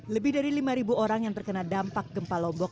lebih dari lima orang yang terkena dampak gempa lombok